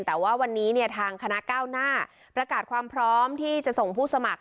แต่ว่าวันนี้เนี่ยทางคณะก้าวหน้าประกาศความพร้อมที่จะส่งผู้สมัคร